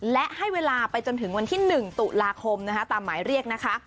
และให้เวลาไปจนถึงวันที่๑ตุลาคมนะคะตามหมายเรียกนะคะ